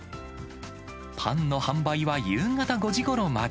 パンの販売は夕方５時ごろまで。